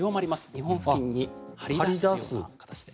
日本付近に張り出すような形で。